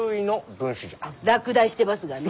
落第してますがね。